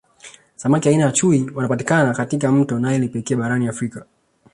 Samaki aina ya chui wanapatikana katika mto naili pekee barani Africa